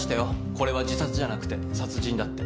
これは自殺じゃなくて殺人だって。